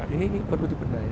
ini berarti benahi